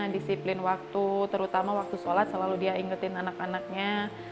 disiplin waktu terutama waktu sholat selalu dia ingetin anak anaknya